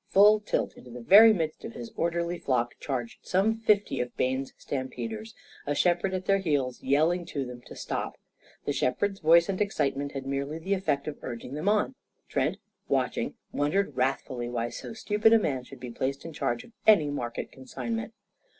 Full tilt into the very midst of his orderly flock charged some fifty of Bayne's stampeders, a shepherd at their heels yelling to them to stop. The shepherd's voice and excitement had merely the effect of urging them on. Trent, watching, wondered wrathfully why so stupid a man should be placed in charge of any market consignment.